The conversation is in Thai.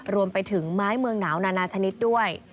รวมไปถึงไม้เมืองหนาวนานาชนิดด้วย